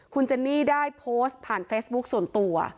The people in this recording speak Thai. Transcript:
คุณเจนนี่ได้โพสต์ผ่านเฟซบุ๊คส่วนตัว